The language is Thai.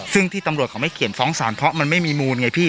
ซึ่งที่ตำรวจเขาไม่เขียนฟ้องสารเพราะมันไม่มีมูลไงพี่